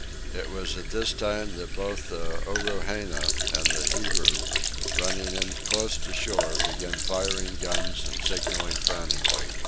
It was at this time that both the OROHENA and the Hira, running in close to the shore, began firing guns and signalling frantically.